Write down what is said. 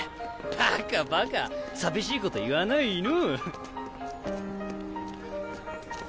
バカバカ寂しいこと言わないの。